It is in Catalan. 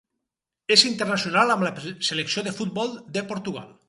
És internacional amb la selecció de futbol de Portugal.